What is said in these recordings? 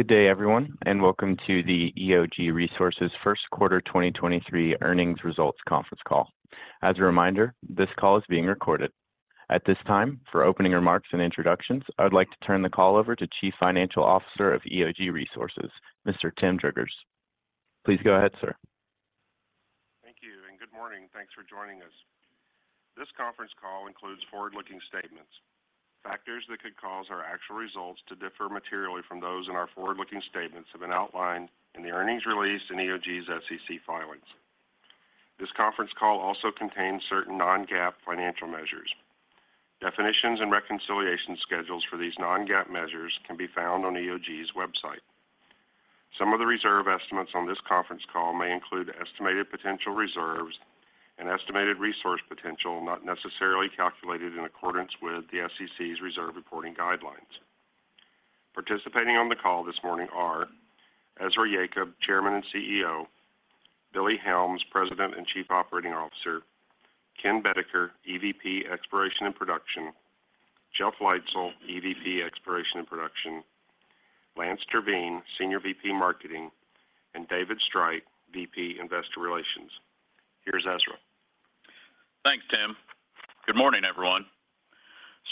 Good day, everyone, and welcome to the EOG Resources first quarter 2023 earnings results conference call. As a reminder, this call is being recorded. At this time, for opening remarks and introductions, I would like to turn the call over to Chief Financial Officer of EOG Resources, Mr. Tim Driggers. Please go ahead, sir. Thank you, and good morning. Thanks for joining us. This conference call includes forward-looking statements. Factors that could cause our actual results to differ materially from those in our forward-looking statements have been outlined in the earnings release in EOG's SEC filings. This conference call also contains certain non-GAAP financial measures. Definitions and reconciliation schedules for these non-GAAP measures can be found on EOG's website. Some of the reserve estimates on this conference call may include estimated potential reserves and estimated resource potential, not necessarily calculated in accordance with the SEC's reserve reporting guidelines. Participating on the call this morning are Ezra Yacob, Chairman and CEO; Billy Helms, President and Chief Operating Officer; Ken Boedeker, EVP, Exploration and Production; Jeff Leitzell, EVP, Exploration and Production; Lance Terveen, Senior VP, Marketing; and David Streit, VP, Investor Relations. Here's Ezra. Thanks, Tim. Good morning, everyone.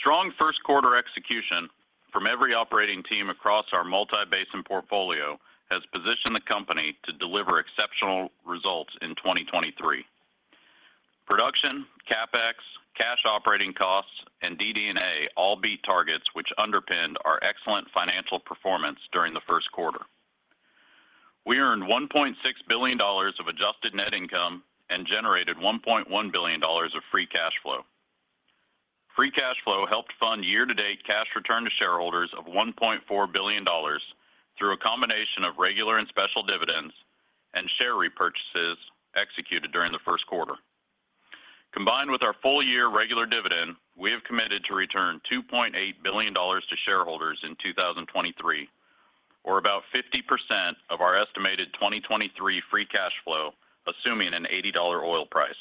Strong first quarter execution from every operating team across our multi-basin portfolio has positioned the company to deliver exceptional results in 2023. Production, CapEx, cash operating costs, and DD&A all beat targets which underpinned our excellent financial performance during the first quarter. We earned $1.6 billion of adjusted net income and generated $1.1 billion of free cash flow. Free cash flow helped fund year-to-date cash return to shareholders of $1.4 billion through a combination of regular and special dividends and share repurchases executed during the first quarter. Combined with our full-year regular dividend, we have committed to return $2.8 billion to shareholders in 2023, or about 50% of our estimated 2023 free cash flow, assuming an $80 oil price.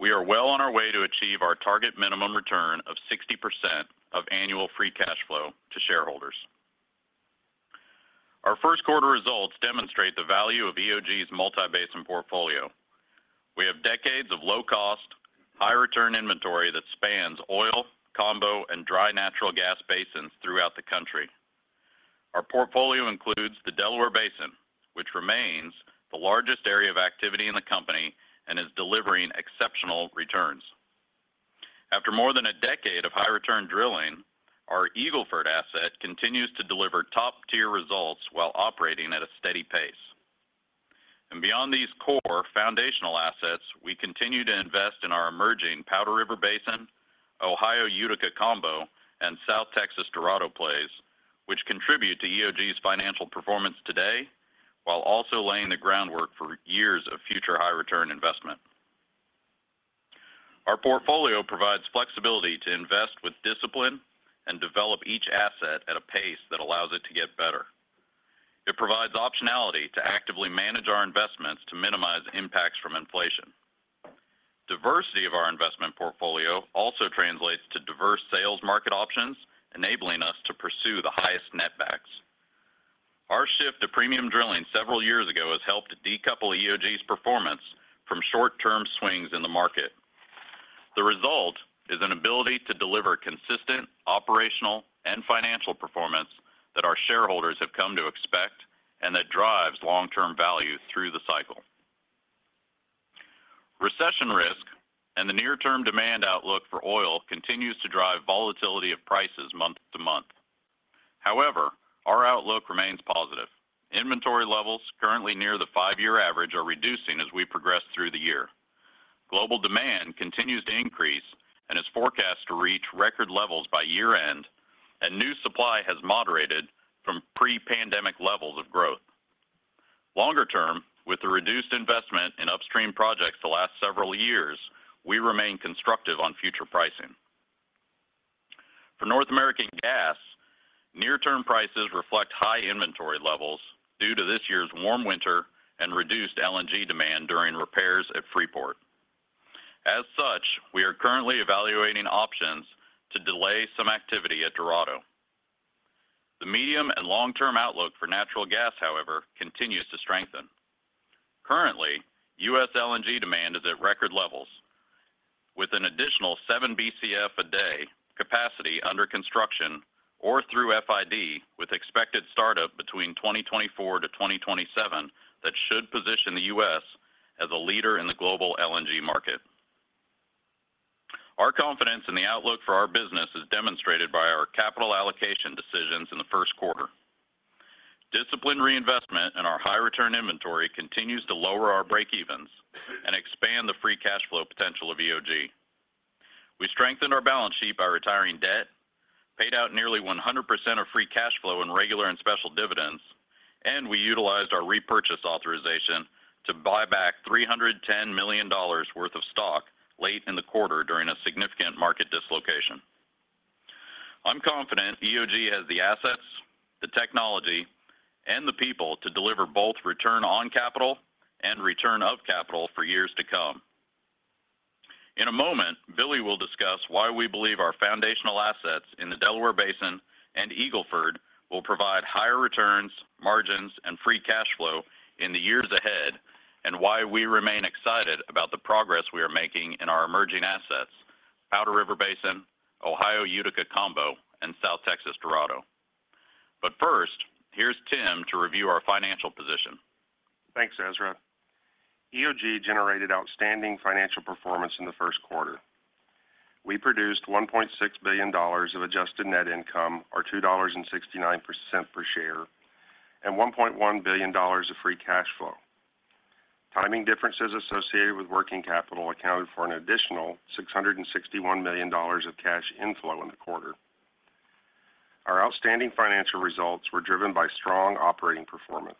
We are well on our way to achieve our target minimum return of 60% of annual free cash flow to shareholders. Our first quarter results demonstrate the value of EOG's multi-basin portfolio. We have decades of low cost, high return inventory that spans oil, combo, and dry natural gas basins throughout the country. Our portfolio includes the Delaware Basin, which remains the largest area of activity in the company and is delivering exceptional returns. After more than a decade of high return drilling, our Eagle Ford asset continues to deliver top-tier results while operating at a steady pace. Beyond these core foundational assets, we continue to invest in our emerging Powder River Basin, Ohio Utica Combo, and South Texas Dorado plays, which contribute to EOG's financial performance today while also laying the groundwork for years of future high return investment. Our portfolio provides flexibility to invest with discipline and develop each asset at a pace that allows it to get better. It provides optionality to actively manage our investments to minimize impacts from inflation. Diversity of our investment portfolio also translates to diverse sales market options, enabling us to pursue the highest netbacks. Our shift to premium drilling several years ago has helped decouple EOG's performance from short-term swings in the market. The result is an ability to deliver consistent operational and financial performance that our shareholders have come to expect and that drives long-term value through the cycle. Recession risk and the near-term demand outlook for oil continues to drive volatility of prices month to month. However, our outlook remains positive. Inventory levels currently near the five-year average are reducing as we progress through the year. Global demand continues to increase and is forecast to reach record levels by year-end. New supply has moderated from pre-pandemic levels of growth. Longer term, with the reduced investment in upstream projects the last several years, we remain constructive on future pricing. For North American gas, near-term prices reflect high inventory levels due to this year's warm winter and reduced LNG demand during repairs at Freeport. As such, we are currently evaluating options to delay some activity at Dorado. The medium and long-term outlook for natural gas, however, continues to strengthen. Currently, U.S. LNG demand is at record levels with an additional 7 BCF a day capacity under construction or through FID with expected startup between 2024-2027 that should position the U.S. as a leader in the global LNG market. Our confidence in the outlook for our business is demonstrated by our capital allocation decisions in the first quarter. Disciplined reinvestment in our high return inventory continues to lower our break-evens and expand the free cash flow potential of EOG. We strengthened our balance sheet by retiring debt, paid out nearly 100% of free cash flow in regular and special dividends. We utilized our repurchase authorization to buy back $310 million worth of stock late in the quarter during a significant market dislocation. I'm confident EOG has the assets, the technology, and the people to deliver both return on capital and return of capital for years to come. In a moment, Billy will discuss why we believe our foundational assets in the Delaware Basin and Eagle Ford will provide higher returns, margins, and free cash flow in the years ahead, and why we remain excited about the progress we are making in our emerging assets, Powder River Basin, Ohio Utica Combo, and South Texas Dorado. First, here's Tim to review our financial position. Thanks, Ezra. EOG generated outstanding financial performance in the first quarter. We produced $1.6 billion of adjusted net income, or $2.69% per share, and $1.1 billion of free cash flow. Timing differences associated with working capital accounted for an additional $661 million of cash inflow in the quarter. Our outstanding financial results were driven by strong operating performance.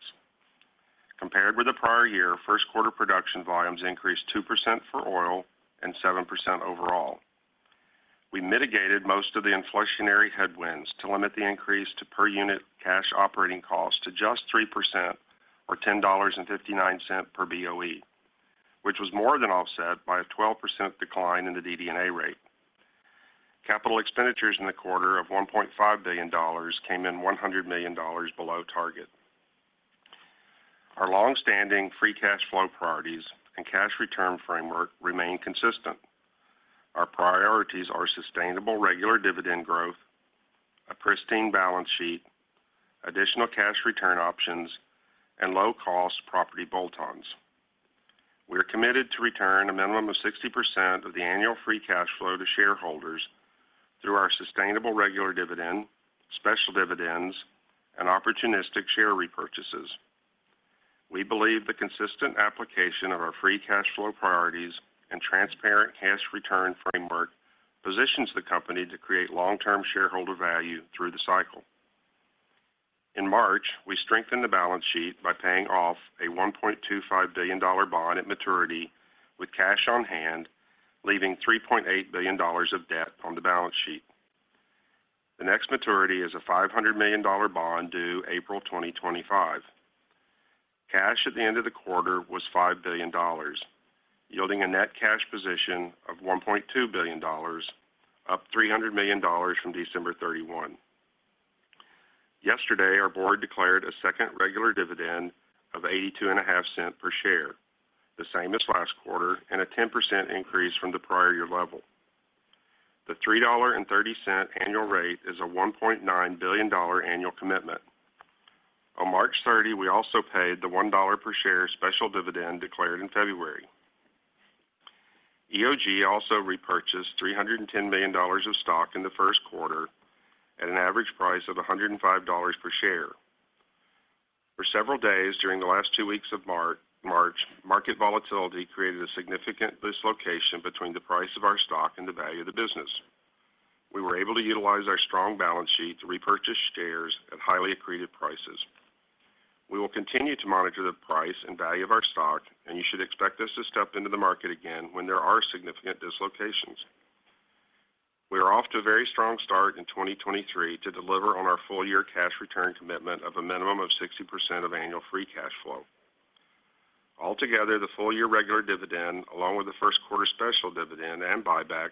Compared with the prior year, first quarter production volumes increased 2% for oil and 7% overall. We mitigated most of the inflationary headwinds to limit the increase to per unit cash operating costs to just 3% or $10.59 per BOE, which was more than offset by a 12% decline in the DD&A rate. Capital expenditures in the quarter of $1.5 billion came in $100 million below target. Our long-standing free cash flow priorities and cash return framework remain consistent. Our priorities are sustainable regular dividend growth, a pristine balance sheet, additional cash return options, and low cost property bolt-ons. We are committed to return a minimum of 60% of the annual free cash flow to shareholders through our sustainable regular dividend, special dividends, and opportunistic share repurchases. We believe the consistent application of our free cash flow priorities and transparent cash return framework positions the company to create long-term shareholder value through the cycle. In March, we strengthened the balance sheet by paying off a $1.25 billion bond at maturity with cash on hand, leaving $3.8 billion of debt on the balance sheet. The next maturity is a $500 million bond due April 2025. Cash at the end of the quarter was $5 billion, yielding a net cash position of $1.2 billion, up $300 million from December 31. Yesterday, our board declared a second regular dividend of $0.825 per share, the same as last quarter, and a 10% increase from the prior year level. The $3.30 annual rate is a $1.9 billion annual commitment. On March 30, we also paid the $1 per share special dividend declared in February. EOG also repurchased $310 million of stock in the first quarter at an average price of $105 per share. For several days during the last two weeks of March, market volatility created a significant dislocation between the price of our stock and the value of the business. We were able to utilize our strong balance sheet to repurchase shares at highly accreted prices. You should expect us to step into the market again when there are significant dislocations. We are off to a very strong start in 2023 to deliver on our full year cash return commitment of a minimum of 60% of annual free cash flow. Altogether, the full year regular dividend, along with the first quarter special dividend and buybacks,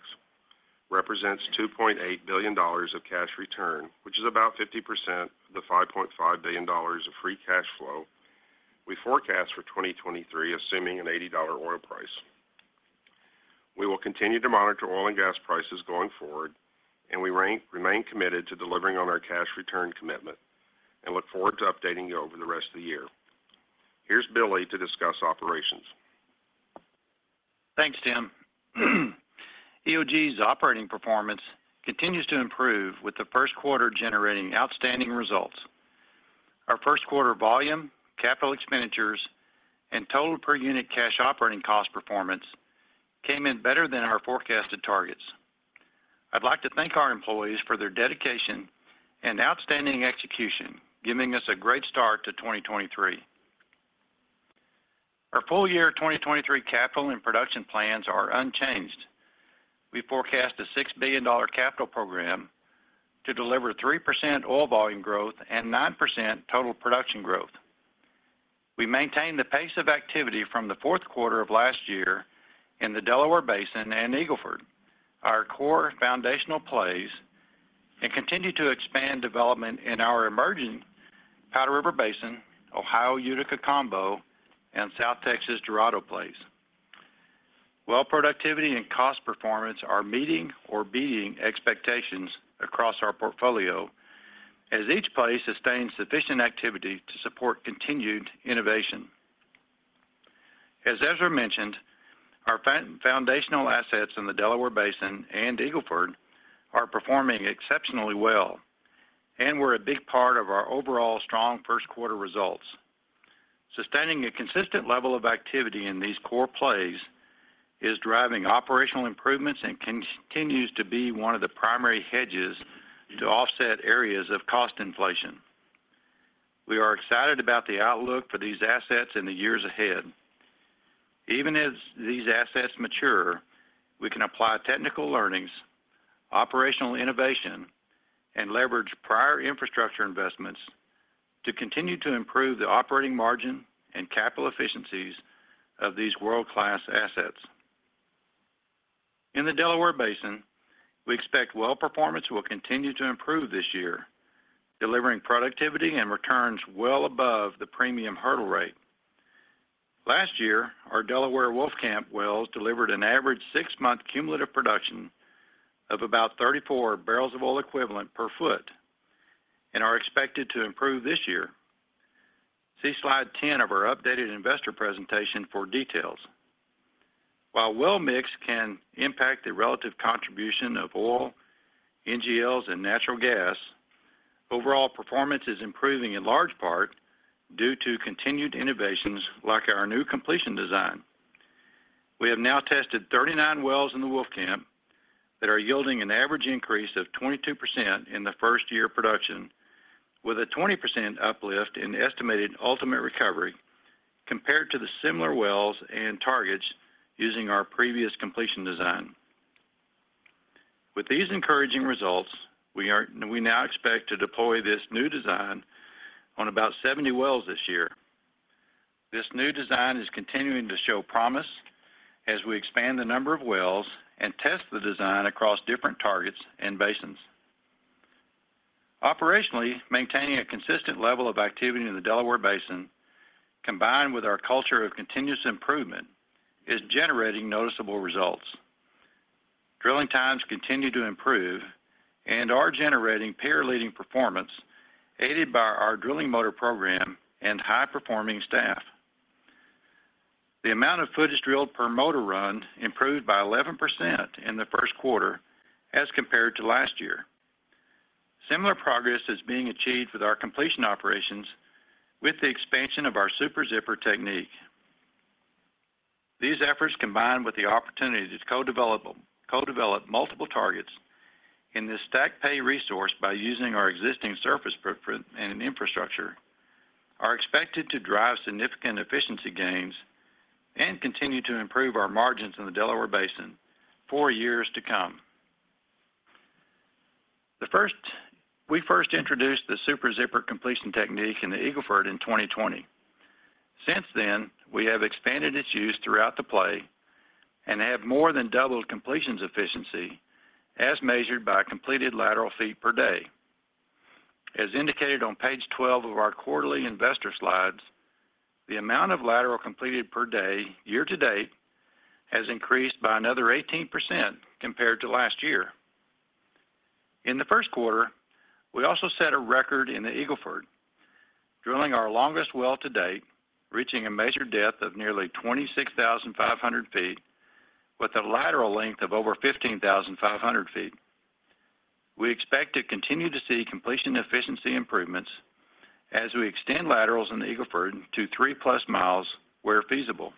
represents $2.8 billion of cash return, which is about 50% of the $5.5 billion of free cash flow we forecast for 2023, assuming an $80 oil price. We will continue to monitor oil and gas prices going forward. We remain committed to delivering on our cash return commitment and look forward to updating you over the rest of the year. Here's Billy to discuss operations. Thanks, Tim. EOG's operating performance continues to improve with the first quarter generating outstanding results. Our first quarter volume, capital expenditures, and total per unit cash operating cost performance came in better than our forecasted targets. I'd like to thank our employees for their dedication and outstanding execution, giving us a great start to 2023. Our full year 2023 capital and production plans are unchanged. We forecast a $6 billion capital program to deliver 3% oil volume growth and 9% total production growth. We maintain the pace of activity from the fourth quarter of last year in the Delaware Basin and Eagle Ford, our core foundational plays, and continue to expand development in our emerging Powder River Basin, Ohio Utica Combo, and South Texas Dorado plays. Well productivity and cost performance are meeting or beating expectations across our portfolio as each play sustains sufficient activity to support continued innovation. As Ezra mentioned, our foundational assets in the Delaware Basin and Eagle Ford are performing exceptionally well and were a big part of our overall strong first quarter results. Sustaining a consistent level of activity in these core plays is driving operational improvements and continues to be one of the primary hedges to offset areas of cost inflation. We are excited about the outlook for these assets in the years ahead. Even as these assets mature, we can apply technical learnings, operational innovation, and leverage prior infrastructure investments to continue to improve the operating margin and capital efficiencies of these world-class assets. In the Delaware Basin, we expect well performance will continue to improve this year, delivering productivity and returns well above the premium hurdle rate. Last year, our Delaware Wolfcamp wells delivered an average six-month cumulative production of about 34 barrels of oil equivalent per foot and are expected to improve this year. See slide 10 of our updated investor presentation for details. While well mix can impact the relative contribution of oil, NGLs, and natural gas, overall performance is improving in large part due to continued innovations like our new completion design. We have now tested 39 wells in the Wolfcamp that are yielding an average increase of 22% in the first-year production, with a 20% uplift in estimated ultimate recovery compared to the similar wells and targets using our previous completion design. With these encouraging results, we now expect to deploy this new design on about 70 wells this year. This new design is continuing to show promise as we expand the number of wells and test the design across different targets and basins. Operationally, maintaining a consistent level of activity in the Delaware Basin, combined with our culture of continuous improvement, is generating noticeable results. Drilling times continue to improve and are generating peer-leading performance aided by our drilling motor program and high-performing staff. The amount of footage drilled per motor run improved by 11% in the first quarter as compared to last year. Similar progress is being achieved with our completion operations with the expansion of our Super Zipper technique. These efforts, combined with the opportunity to co-develop multiple targets in this stack pay resource by using our existing surface footprint and infrastructure, are expected to drive significant efficiency gains and continue to improve our margins in the Delaware Basin for years to come. We first introduced the Super Zipper completion technique in the Eagle Ford in 2020. Since then, we have expanded its use throughout the play and have more than doubled completions efficiency as measured by completed lateral feet per day. As indicated on page 12 of our quarterly investor slides, the amount of lateral completed per day year-to-date has increased by another 18% compared to last year. In the first quarter, we also set a record in the Eagle Ford, drilling our longest well to date, reaching a measured depth of nearly 26,500 feet with a lateral length of over 15,500 feet. We expect to continue to see completion efficiency improvements as we extend laterals in the Eagle Ford to 3-plus miles where feasible.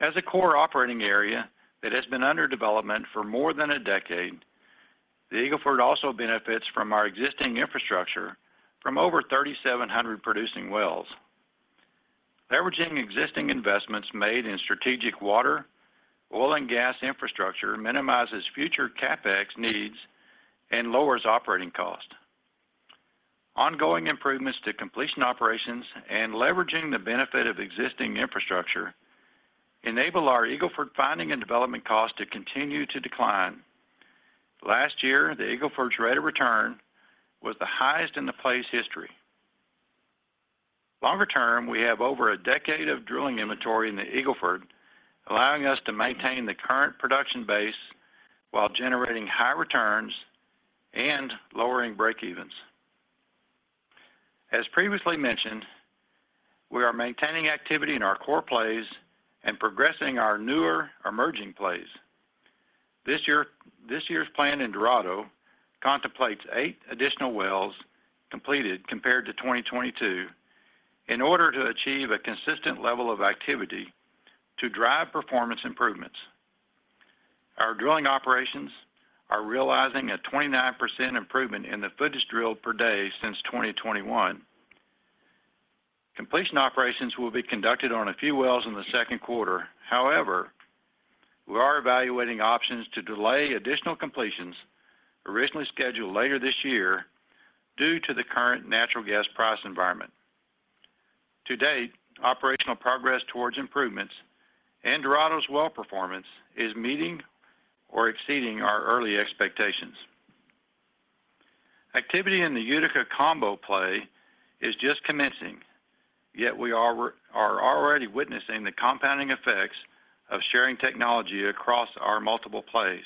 As a core operating area that has been under development for more than a decade, the Eagle Ford also benefits from our existing infrastructure from over 3,700 producing wells. Leveraging existing investments made in strategic water, oil, and gas infrastructure minimizes future CapEx needs and lowers operating cost. Ongoing improvements to completion operations and leveraging the benefit of existing infrastructure enable our Eagle Ford finding and development cost to continue to decline. Last year, the Eagle Ford's rate of return was the highest in the play's history. Longer term, we have over a decade of drilling inventory in the Eagle Ford, allowing us to maintain the current production base while generating high returns and lowering breakevens. As previously mentioned, we are maintaining activity in our core plays and progressing our newer emerging plays. This year's plan in Dorado contemplates 8 additional wells completed compared to 2022 in order to achieve a consistent level of activity to drive performance improvements. Our drilling operations are realizing a 29% improvement in the footage drilled per day since 2021. Completion operations will be conducted on a few wells in the second quarter. We are evaluating options to delay additional completions originally scheduled later this year due to the current natural gas price environment. To date, operational progress towards improvements and Dorado's well performance is meeting or exceeding our early expectations. Activity in the Utica combo play is just commencing, we are already witnessing the compounding effects of sharing technology across our multiple plays.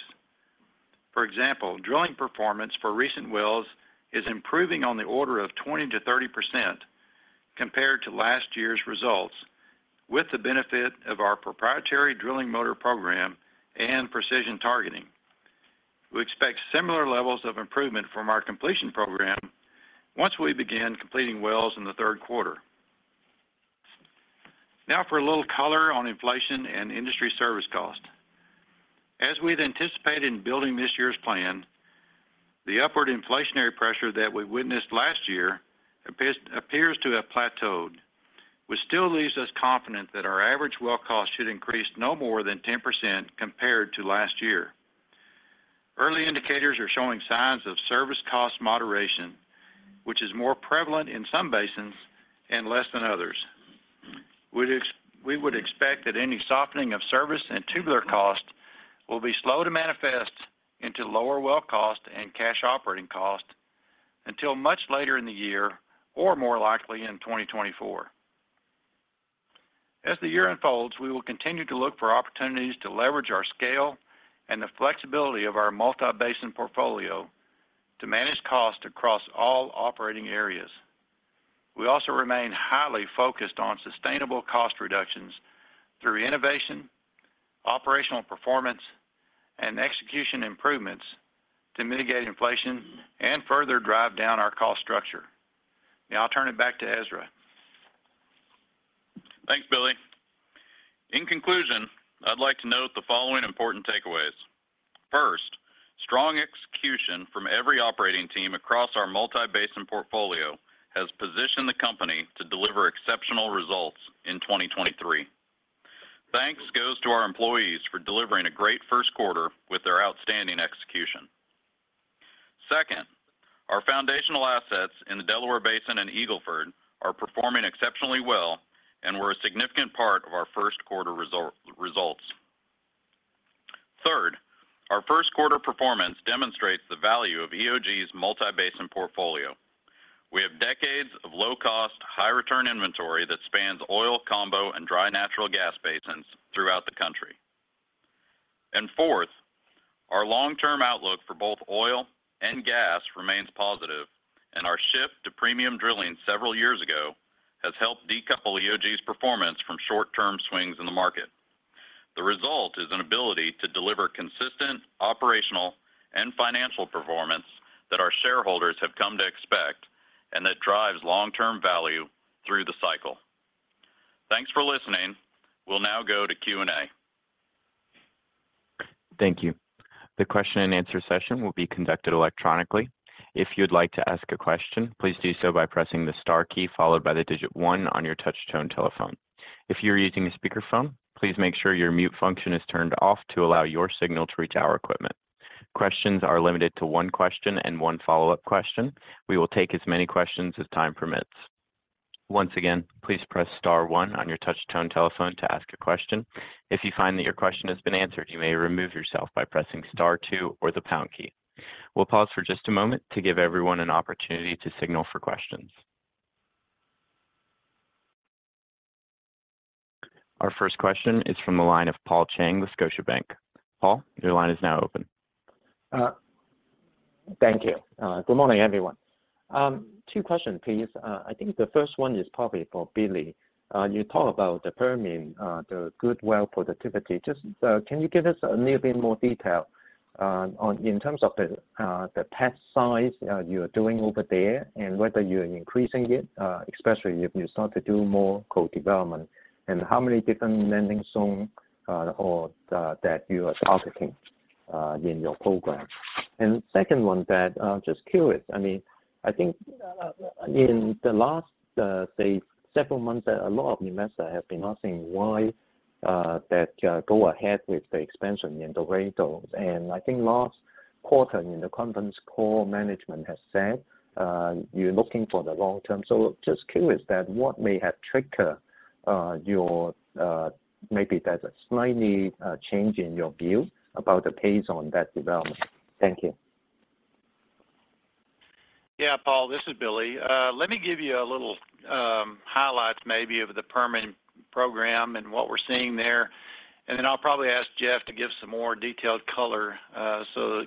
For example, drilling performance for recent wells is improving on the order of 20%-30% compared to last year's results with the benefit of our proprietary drilling motor program and precision targeting. We expect similar levels of improvement from our completion program once we begin completing wells in the third quarter. For a little color on inflation and industry service cost. As we've anticipated in building this year's plan, the upward inflationary pressure that we witnessed last year appears to have plateaued, which still leaves us confident that our average well cost should increase no more than 10% compared to last year. Early indicators are showing signs of service cost moderation, which is more prevalent in some basins and less than others. We would expect that any softening of service and tubular costs will be slow to manifest into lower well cost and cash operating costs until much later in the year or more likely in 2024. As the year unfolds, we will continue to look for opportunities to leverage our scale and the flexibility of our multi-basin portfolio to manage costs across all operating areas. We also remain highly focused on sustainable cost reductions through innovation, operational performance, and execution improvements to mitigate inflation and further drive down our cost structure. Now I'll turn it back to Ezra. Thanks, Billy. In conclusion, I'd like to note the following important takeaways. First, strong execution from every operating team across our multi-basin portfolio has positioned the company to deliver exceptional results in 2023. Thanks goes to our employees for delivering a great first quarter with their outstanding execution. Second, our foundational assets in the Delaware Basin and Eagle Ford are performing exceptionally well and were a significant part of our first quarter results. Third, our first quarter performance demonstrates the value of EOG's multi-basin portfolio. We have decades of low cost, high return inventory that spans oil, combo, and dry natural gas basins throughout the country. Fourth, our long-term outlook for both oil and gas remains positive, and our shift to premium drilling several years ago has helped decouple EOG's performance from short-term swings in the market. The result is an ability to deliver consistent operational and financial performance that our shareholders have come to expect and that drives long-term value through the cycle. Thanks for listening. We'll now go to Q&A. Thank you. The question-and-answer session will be conducted electronically. If you'd like to ask a question, please do so by pressing the star key followed by the digit 1 on your touch-tone telephone. If you're using a speakerphone, please make sure your mute function is turned off to allow your signal to reach our equipment. Questions are limited to 1 question and 1 follow-up question. We will take as many questions as time permits. Once again, please press star 1 on your touch-tone telephone to ask a question. If you find that your question has been answered, you may remove yourself by pressing star 2 or the pound key. We'll pause for just a moment to give everyone an opportunity to signal for questions. Our first question is from the line of Paul Cheng with Scotiabank. Paul, your line is now open. Thank you. Good morning, everyone. 2 questions, please. I think the 1st one is probably for Billy. You talk about the Permian, the good well productivity. Just, can you give us a little bit more detail in terms of the test size you're doing over there and whether you're increasing it, especially if you start to do more co-development, and how many different landing zone or that you are targeting in your program? 2nd one that I'm just curious, I mean, I think in the last, say several months, a lot of investors have been asking why that go ahead with the expansion in Dorado. I think last quarter in the conference call, management has said, you're looking for the long term. Just curious that what may have triggered, your, maybe there's a slightly, change in your view about the pace on that development. Thank you. Yeah, Paul, this is Billy. Let me give you a little highlights maybe of the Permian program and what we're seeing there. I'll probably ask Jeff to give some more detailed color, so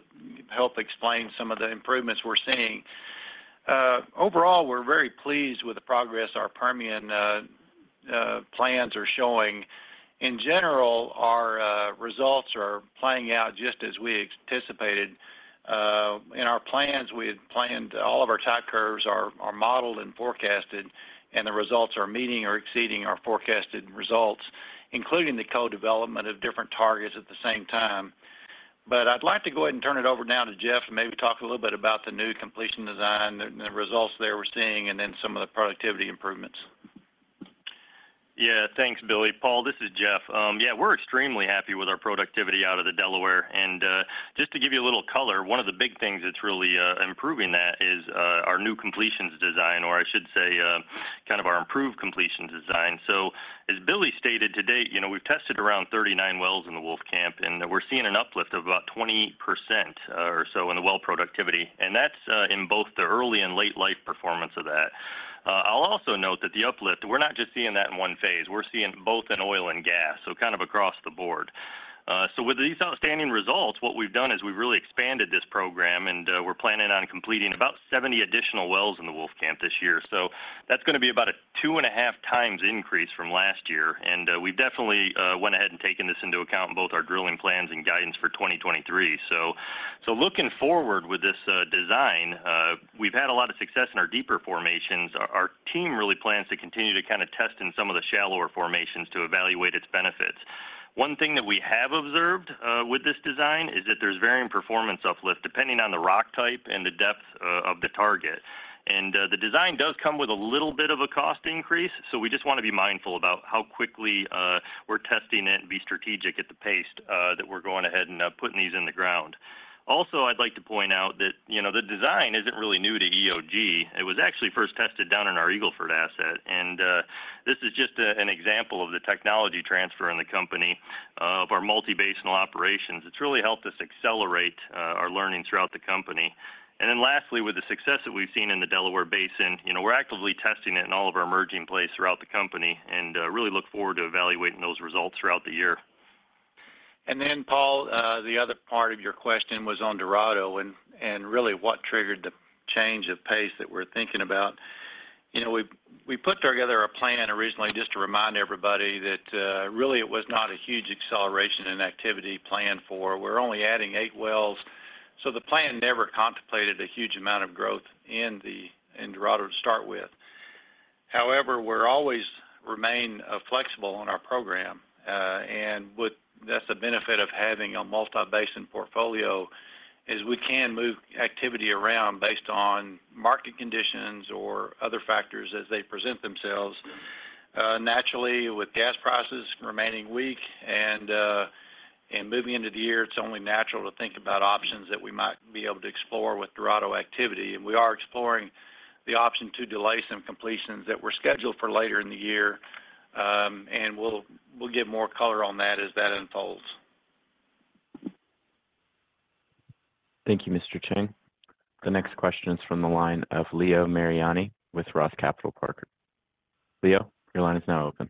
help explain some of the improvements we're seeing. Overall, we're very pleased with the progress our Permian plans are showing. In general, our results are playing out just as we anticipated. In our plans, we had planned all of our type curves are modeled and forecasted, the results are meeting or exceeding our forecasted results, including the co-development of different targets at the same time. I'd like to go ahead and turn it over now to Jeff, maybe talk a little bit about the new completion design, the results there we're seeing, some of the productivity improvements. Thanks, Billy. Paul, this is Jeff. We're extremely happy with our productivity out of the Delaware. Just to give you a little color, one of the big things that's really improving that is our new completions design, or I should say, kind of our improved completions design. As Billy stated today, you know, we've tested around 39 wells in the Wolfcamp, we're seeing an uplift of about 20% or so in the well productivity. That's in both the early and late life performance of that. I'll also note that the uplift, we're not just seeing that in one phase. We're seeing both in oil and gas, kind of across the board. With these outstanding results, what we've done is we've really expanded this program, and we're planning on completing about 70 additional wells in the Wolfcamp this year. That's gonna be about a 2.5 times increase from last year. We definitely went ahead and taken this into account in both our drilling plans and guidance for 2023. Looking forward with this design, we've had a lot of success in our deeper formations. Our team really plans to continue to kind of test in some of the shallower formations to evaluate its benefits. One thing that we have observed with this design is that there's varying performance uplift depending on the rock type and the depth of the target. The design does come with a little bit of a cost increase, so we just wanna be mindful about how quickly we're testing it and be strategic at the pace that we're going ahead and putting these in the ground. Also, I'd like to point out that, you know, the design isn't really new to EOG. It was actually first tested down in our Eagle Ford asset, and this is just an example of the technology transfer in the company of our multi-basinal operations. It's really helped us accelerate our learning throughout the company. Lastly, with the success that we've seen in the Delaware Basin, you know, we're actively testing it in all of our emerging plays throughout the company and really look forward to evaluating those results throughout the year. Paul, the other part of your question was on Dorado and really what triggered the change of pace that we're thinking about. You know, we put together a plan originally just to remind everybody that really it was not a huge acceleration in activity planned for. We're only adding eight wells. The plan never contemplated a huge amount of growth in Dorado to start with. However, we're always remain flexible on our program, that's the benefit of having a multi-basin portfolio is we can move activity around based on market conditions or other factors as they present themselves. Naturally, with gas prices remaining weak and moving into the year, it's only natural to think about options that we might be able to explore with Dorado activity. We are exploring the option to delay some completions that were scheduled for later in the year, and we'll give more color on that as that unfolds. Thank you, Mr. Cheng. The next question is from the line of Leo Mariani with ROTH Capital Partners. Leo, your line is now open.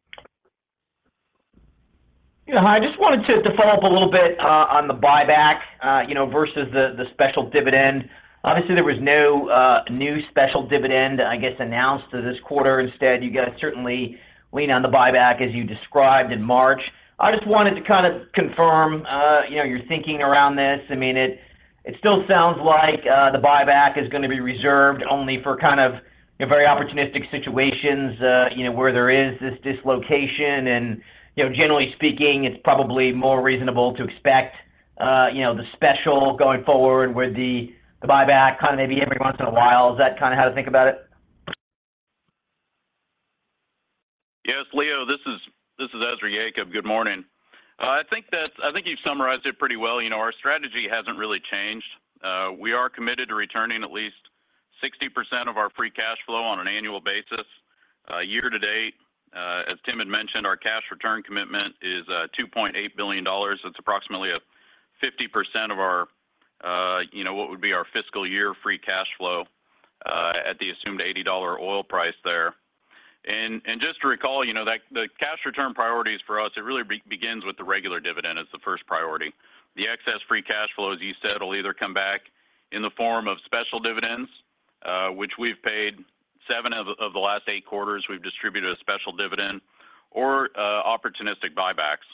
Yeah. Hi. I just wanted to follow up a little bit on the buyback, you know, versus the special dividend. Obviously there was no new special dividend, I guess, announced this quarter. Instead, you guys certainly lean on the buyback as you described in March. I just wanted to kinda confirm, you know, your thinking around this. I mean, it still sounds like the buyback is gonna be reserved only for kind of, you know, very opportunistic situations, you know, where there is this dislocation and, you know, generally speaking, it's probably more reasonable to expect, you know, the special going forward with the buyback kind of maybe every once in a while. Is that kinda how to think about it? Yes, Leo, this is Ezra Yacob. Good morning. I think you've summarized it pretty well. You know, our strategy hasn't really changed. We are committed to returning at least 60% of our free cash flow on an annual basis. Year to date, as Tim had mentioned, our cash return commitment is $2.8 billion. That's approximately 50% of our, you know, what would be our fiscal year free cash flow, at the assumed $80 oil price there. Just to recall, you know, that the cash return priorities for us, it really begins with the regular dividend as the first priority. The excess free cash flow, as you said, will either come back in the form of special dividends, which we've paid seven of the last eight quarters, we've distributed a special dividend or opportunistic buybacks.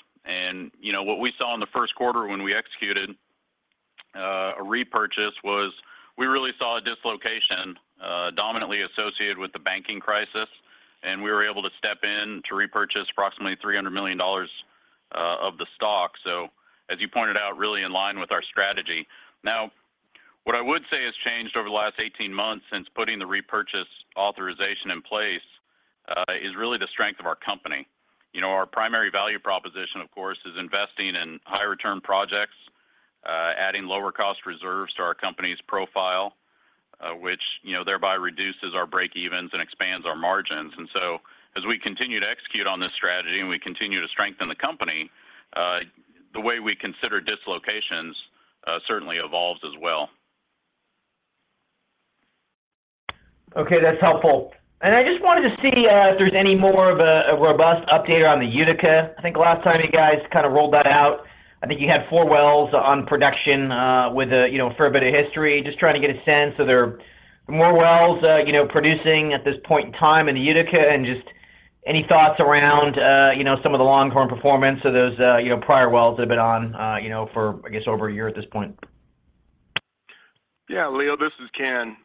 You know, what we saw in the first quarter when we executed a repurchase was we really saw a dislocation, dominantly associated with the banking crisis, and we were able to step in to repurchase approximately $300 million of the stock. As you pointed out, really in line with our strategy. Now, what I would say has changed over the last 18 months since putting the repurchase authorization in place, is really the strength of our company. You know, our primary value proposition, of course, is investing in high return projects, adding lower cost reserves to our company's profile, which, you know, thereby reduces our breakevens and expands our margins. As we continue to execute on this strategy and we continue to strengthen the company, the way we consider dislocations, certainly evolves as well. Okay. That's helpful. I just wanted to see, if there's any more of a robust update on the Utica. I think last time you guys kind of rolled that out, I think you had 4 wells on production, with a, you know, fair bit of history. Just trying to get a sense, are there more wells, you know, producing at this point in time in the Utica? Just any thoughts around, you know, some of the long-term performance of those, you know, prior wells that have been on, you know, for I guess over 1 year at this point? Yeah, Leo, this is Ken.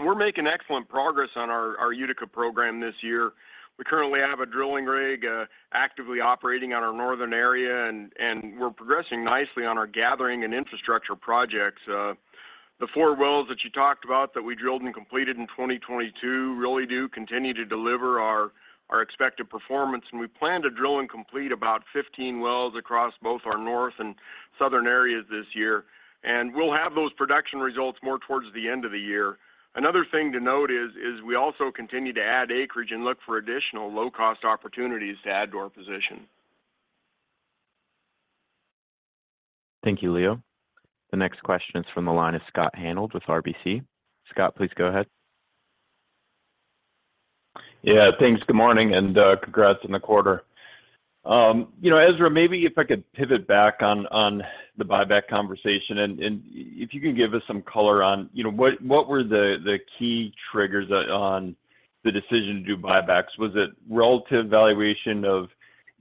We're making excellent progress on our Utica program this year. We currently have a drilling rig actively operating on our northern area and we're progressing nicely on our gathering and infrastructure projects. The 4 wells that you talked about that we drilled and completed in 2022 really do continue to deliver our expected performance, and we plan to drill and complete about 15 wells across both our north and southern areas this year. We'll have those production results more towards the end of the year. Another thing to note is we also continue to add acreage and look for additional low-cost opportunities to add to our position. Thank you, Leo. The next question is from the line of Scott Hanold with RBC. Scott, please go ahead. Yeah, thanks. Good morning. Congrats on the quarter. You know, Ezra, maybe if I could pivot back on the buyback conversation and if you could give us some color on, you know, what were the key triggers on the decision to do buybacks? Was it relative valuation of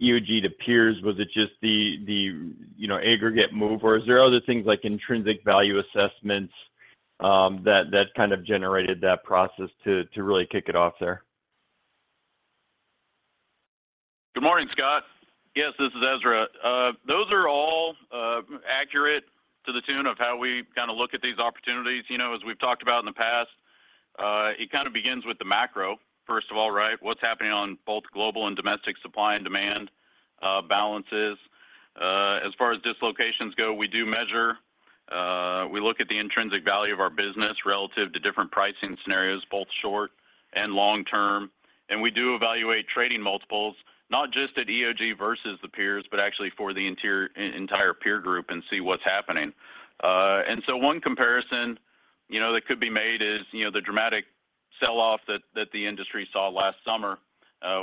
EOG to peers? Was it just the, you know, aggregate move? Is there other things like intrinsic value assessments that kind of generated that process to really kick it off there? Good morning, Scott. Yes, this is Ezra. Those are all accurate to the tune of how we kind of look at these opportunities. You know, as we've talked about in the past, it kind of begins with the macro, first of all, right? What's happening on both global and domestic supply and demand balances. As far as dislocations go, we do measure. We look at the intrinsic value of our business relative to different pricing scenarios, both short and long term. We do evaluate trading multiples, not just at EOG versus the peers, but actually for the entire peer group and see what's happening. So one comparison, you know, that could be made is, you know, the dramatic sell-off that the industry saw last summer,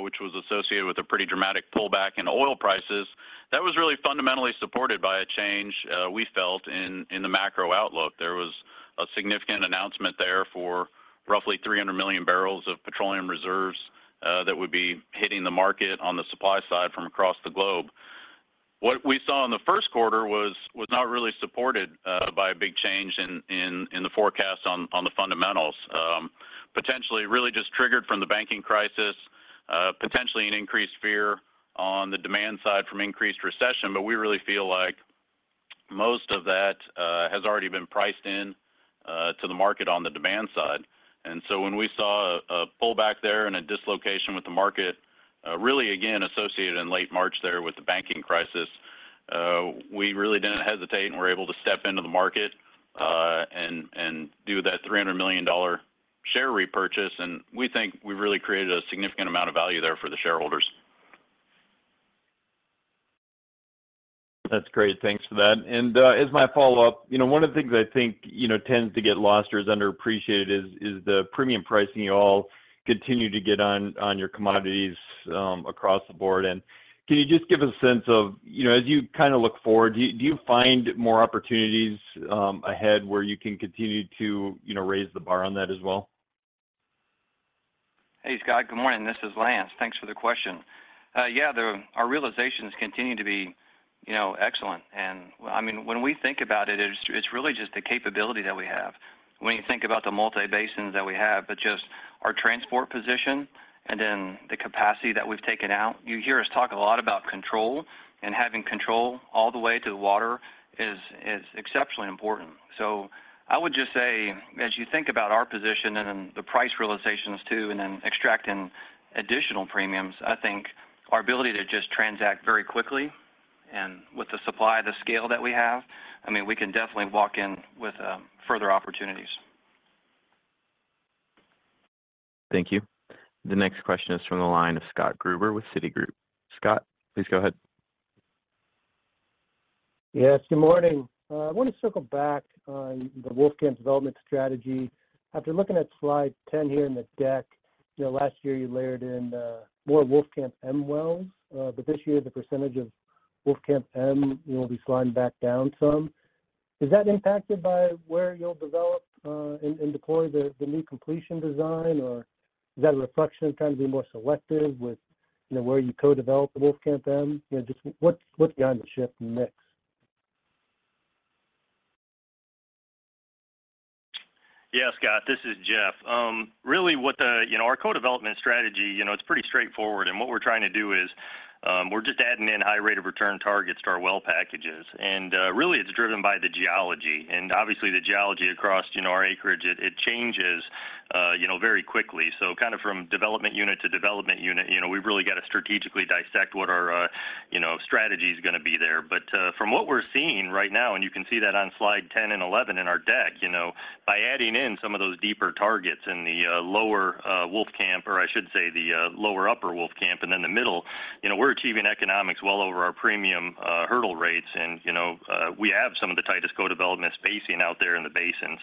which was associated with a pretty dramatic pullback in oil prices. That was really fundamentally supported by a change we felt in the macro outlook. There was a significant announcement there for roughly 300 million barrels of petroleum reserves that would be hitting the market on the supply side from across the globe. What we saw in the first quarter was not really supported by a big change in the forecast on the fundamentals. Potentially really just triggered from the banking crisis, potentially an increased fear on the demand side from increased recession. We really feel like most of that has already been priced in to the market on the demand side. When we saw a pullback there and a dislocation with the market, really again associated in late March there with the banking crisis, we really didn't hesitate and were able to step into the market, and do that $300 million share repurchase, and we think we really created a significant amount of value there for the shareholders. That's great. Thanks for that. As my follow-up, you know, one of the things I think, you know, tends to get lost or is underappreciated is the premium pricing you all continue to get on your commodities across the board. Can you just give a sense of, you know, as you kind of look forward, do you find more opportunities ahead where you can continue to, you know, raise the bar on that as well? Hey, Scott. Good morning. This is Lance. Thanks for the question. Yeah, our realizations continue to be, you know, excellent. I mean, when we think about it's, it's really just the capability that we have when you think about the multi basins that we have, but just our transport position and then the capacity that we've taken out. You hear us talk a lot about control, and having control all the way to the water is exceptionally important. I would just say, as you think about our position and then the price realizations too, and then extracting additional premiums, I think our ability to just transact very quickly and with the supply, the scale that we have, I mean, we can definitely walk in with further opportunities. Thank you. The next question is from the line of Scott Gruber with Citigroup. Scott, please go ahead. Good morning. I want to circle back on the Wolfcamp development strategy. After looking at slide 10 here in the deck, you know, last year you layered in more Wolfcamp M wells. This year the percentage of Wolfcamp M will be sliding back down some. Is that impacted by where you'll develop and deploy the new completion design? Or is that a reflection of trying to be more selective with, you know, where you co-develop the Wolfcamp M? You know, just what's behind the shift in mix? Yeah, Scott, this is Jeff. Really, you know, our co-development strategy, you know, it's pretty straightforward. What we're trying to do is, we're just adding in high rate of return targets to our well packages. Really it's driven by the geology. Obviously the geology across, you know, our acreage, it changes, you know, very quickly. Kind of from development unit to development unit, you know, we've really got to strategically dissect what our, you know, strategy is gonna be there. From what we're seeing right now, and you can see that on slide 10 and 11 in our deck, you know, by adding in some of those deeper targets in the lower Wolfcamp, or I should say the lower upper Wolfcamp and then the middle, you know, we're achieving economics well over our premium hurdle rates. You know, we have some of the tightest co-development spacing out there in the basin.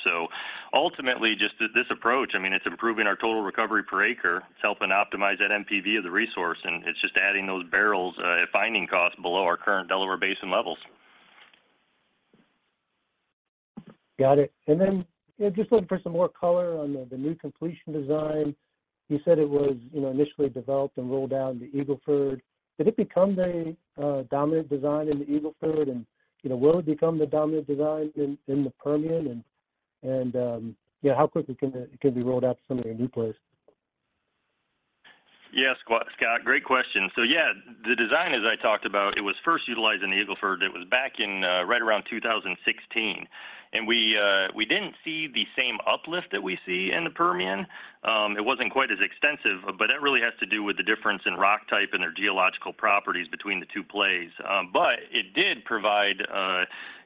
Ultimately, just this approach, I mean, it's improving our total recovery per acre. It's helping optimize that NPV of the resource, and it's just adding those barrels at finding costs below our current Delaware Basin levels. Got it. Yeah, just looking for some more color on the new completion design. You said it was, you know, initially developed and rolled out in the Eagle Ford. Did it become the dominant design in the Eagle Ford? You know, will it become the dominant design in the Permian? Yeah, how quickly can it be rolled out to some of your new plays? Yeah, Scott, great question. Yeah, the design as I talked about, it was first utilized in the Eagle Ford. It was back in right around 2016. We didn't see the same uplift that we see in the Permian. It wasn't quite as extensive, but that really has to do with the difference in rock type and their geological properties between the two plays. It did provide,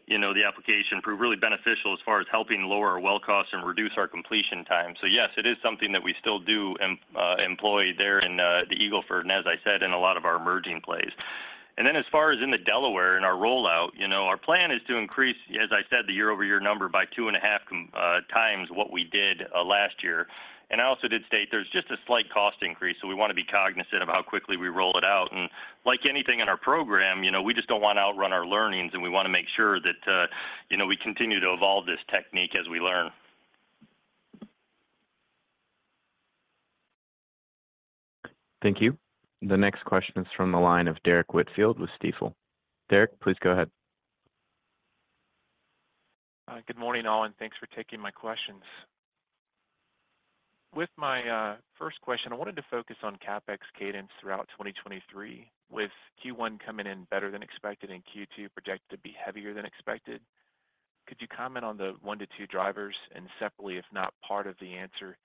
you know, the application proved really beneficial as far as helping lower our well cost and reduce our completion time. Yes, it is something that we still do employ there in the Eagle Ford and as I said, in a lot of our emerging plays. As far as in the Delaware and our rollout, you know, our plan is to increase, as I said, the year-over-year number by 2.5 times what we did last year. I also did state there's just a slight cost increase, so we wanna be cognizant of how quickly we roll it out. Like anything in our program, you know, we just don't wanna outrun our learnings, and we wanna make sure that, you know, we continue to evolve this technique as we learn. Thank you. The next question is from the line of Derrick Whitfield with Stifel. Derrick, please go ahead. Good morning, all, and thanks for taking my questions. With my first question, I wanted to focus on CapEx cadence throughout 2023, with Q1 coming in better than expected and Q2 projected to be heavier than expected. Could you comment on the one to two drivers? Separately, if not part of the answer,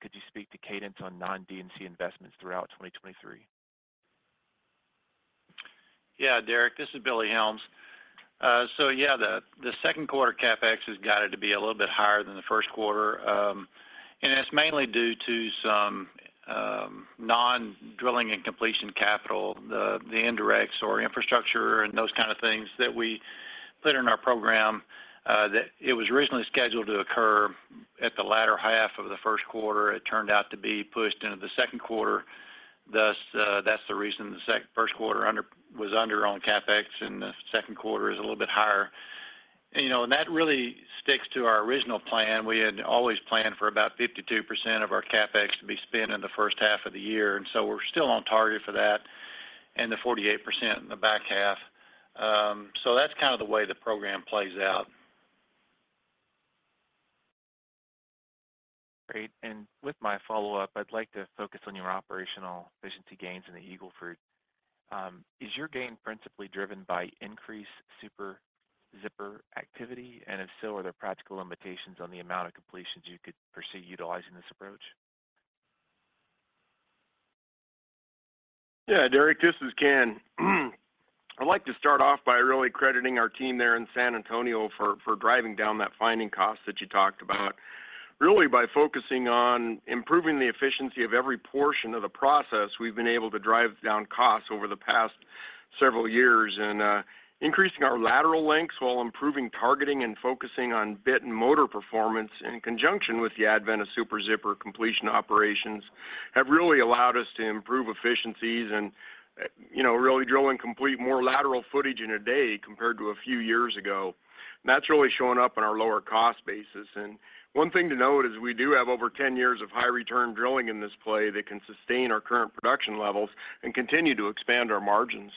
could you speak to cadence on non-DNC investments throughout 2023? Yeah, Derrick, this is Billy Helms. Yeah, the second quarter CapEx has got it to be a little bit higher than the first quarter, and it's mainly due to some non-drilling and completion capital, the indirects or infrastructure and those kind of things that we put in our program, that it was originally scheduled to occur at the latter half of the first quarter. It turned out to be pushed into the second quarter. Thus, that's the reason the first quarter was under on CapEx, and the second quarter is a little bit higher. You know, that really sticks to our original plan. We had always planned for about 52% of our CapEx to be spent in the first half of the year. We're still on target for that and the 48% in the back half. That's kind of the way the program plays out. Great. With my follow-up, I'd like to focus on your operational efficiency gains in the Eagle Ford. Is your gain principally driven by increased Super Zipper activity? If so, are there practical limitations on the amount of completions you could pursue utilizing this approach? Yeah, Derrick, this is Ken. I'd like to start off by really crediting our team there in San Antonio for driving down that finding cost that you talked about. By focusing on improving the efficiency of every portion of the process, we've been able to drive down costs over the past several years, increasing our lateral lengths while improving targeting and focusing on bit and motor performance in conjunction with the advent of Super Zipper completion operations have really allowed us to improve efficiencies and, you know, really drill and complete more lateral footage in a day compared to a few years ago. That's really showing up in our lower cost basis. One thing to note is we do have over 10 years of high return drilling in this play that can sustain our current production levels and continue to expand our margins.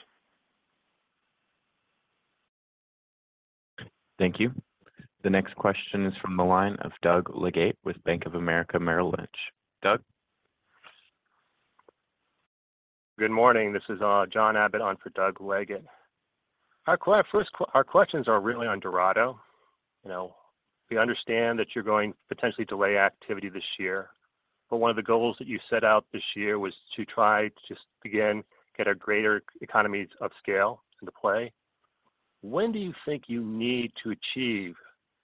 Thank you. The next question is from the line of Doug Leggate with Bank of America Merrill Lynch. Doug? Good morning. This is John Abbott on for Doug Leggate. Our questions are really on Dorado. You know, we understand that you're going to potentially delay activity this year, but one of the goals that you set out this year was to try to just, again, get a greater economies of scale into play. When do you think you need to achieve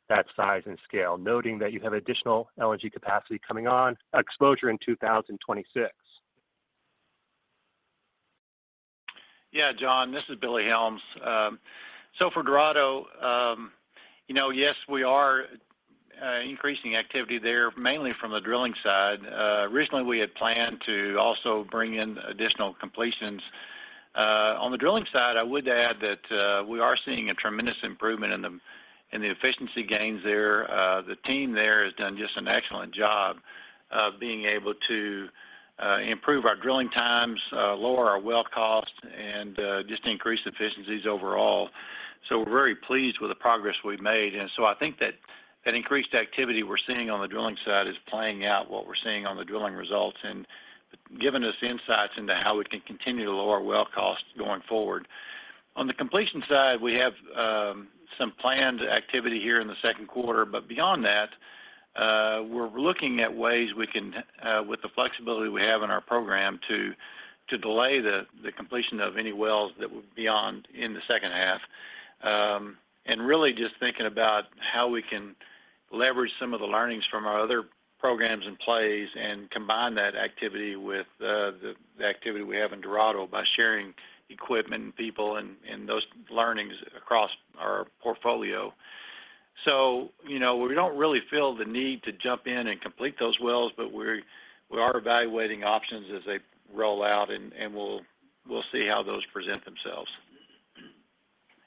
that size and scale, noting that you have additional LNG capacity coming on exposure in 2026? Yeah, John, this is Billy Helms. For Dorado, you know, yes, we are increasing activity there mainly from the drilling side. Originally we had planned to also bring in additional completions. On the drilling side, I would add that we are seeing a tremendous improvement in the efficiency gains there. The team there has done just an excellent job of being able to improve our drilling times, lower our well cost, and just increase efficiencies overall. We're very pleased with the progress we've made. I think that that increased activity we're seeing on the drilling side is playing out what we're seeing on the drilling results and giving us insights into how we can continue to lower well costs going forward. On the completion side, we have some planned activity here in the second quarter. Beyond that, we're looking at ways we can with the flexibility we have in our program, to delay the completion of any wells that would beyond in the second half. Really just thinking about how we can leverage some of the learnings from our other programs and plays and combine that activity with the activity we have in Dorado by sharing equipment and people and those learnings across our portfolio. You know, we don't really feel the need to jump in and complete those wells, but we are evaluating options as they roll out and we'll see how those present themselves.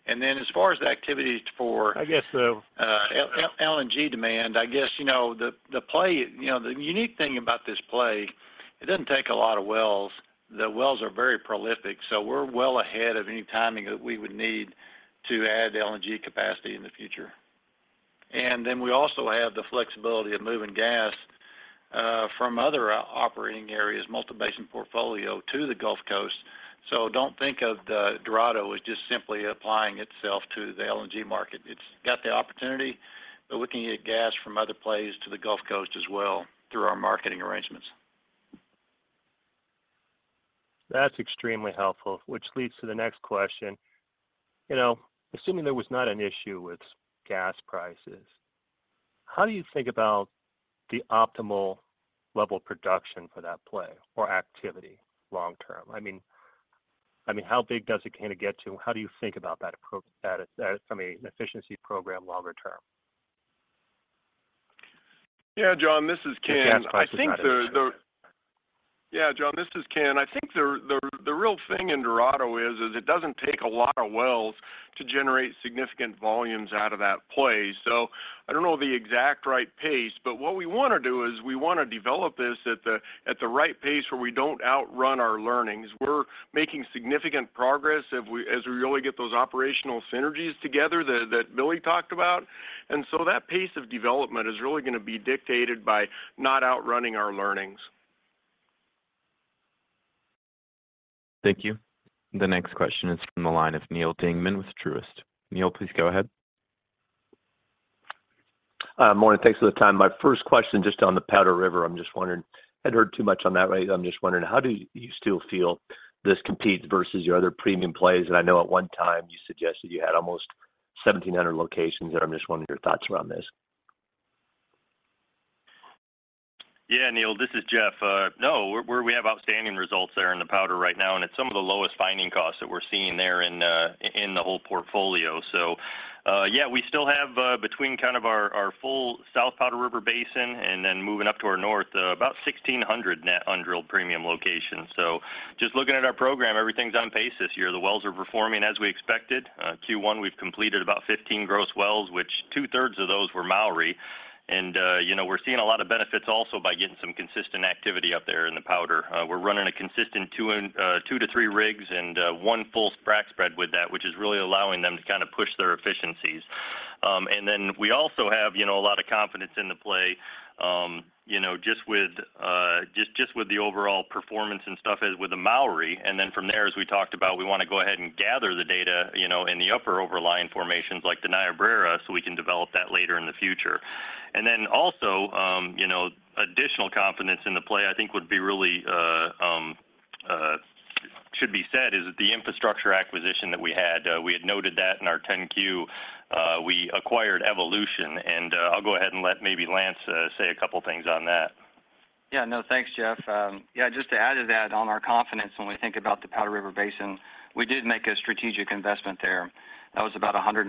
As far as the activities for- I guess the- LNG demand, I guess, you know, the play, you know, the unique thing about this play, it doesn't take a lot of wells. The wells are very prolific, so we're well ahead of any timing that we would need to add LNG capacity in the future. We also have the flexibility of moving gas from other operating areas, multi-basin portfolio, to the Gulf Coast. Don't think of the Dorado as just simply applying itself to the LNG market. It's got the opportunity, but we can get gas from other plays to the Gulf Coast as well through our marketing arrangements. That's extremely helpful, which leads to the next question. You know, assuming there was not an issue with gas prices, how do you think about the optimal level of production for that play or activity long term? I mean, how big does it kinda get to? How do you think about that approach, that, I mean, efficiency program longer term? Yeah, John, this is Ken. If gas prices are not an issue. Yeah, John, this is Ken. I think the real thing in Dorado is it doesn't take a lot of wells to generate significant volumes out of that play. I don't know the exact right pace, but what we wanna do is we wanna develop this at the, at the right pace where we don't outrun our learnings. We're making significant progress as we really get those operational synergies together that Billy talked about. That pace of development is really gonna be dictated by not outrunning our learnings. Thank you. The next question is from the line of Neal Dingmann with Truist. Neal, please go ahead. Morning. Thanks for the time. My first question, just on the Powder River, I'm just wondering, hadn't heard too much on that lately. I'm just wondering, how do you still feel this competes versus your other premium plays? I know at one time you suggested you had almost 1,700 locations there. I'm just wondering your thoughts around this. Yeah, Neil, this is Jeff. No, we have outstanding results there in the Powder right now, and it's some of the lowest finding costs that we're seeing there in the whole portfolio. Yeah, we still have between kind of our full South Powder River Basin and then moving up to our north, about 1,600 net undrilled premium locations. Just looking at our program, everything's on pace this year. The wells are performing as we expected. Q1, we've completed about 15 gross wells, which two-thirds of those were Mowry. You know, we're seeing a lot of benefits also by getting some consistent activity up there in the Powder. We're running a consistent 2 to 3 rigs and 1 full frac spread with that, which is really allowing them to kind of push their efficiencies. Then we also have, you know, a lot of confidence in the play, you know, just with the overall performance and stuff as with the Mowry. Then from there, as we talked about, we wanna go ahead and gather the data, you know, in the upper overlying formations like the Niobrara, so we can develop that later in the future. Then also, you know, additional confidence in the play, I think would be really, should be said is the infrastructure acquisition that we had. We had noted that in our 10-Q, we acquired Evolution, and I'll go ahead and let maybe Lance say a couple things on that. No, thanks, Jeff. Just to add to that on our confidence when we think about the Powder River Basin, we did make a strategic investment there. That was about $135